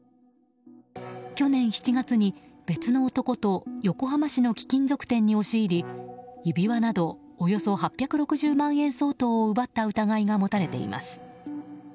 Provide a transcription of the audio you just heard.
去年７月に別の男と横浜市の貴金属店に押し入り指輪などおよそ８６０万円相当を奪った疑いが持たれています。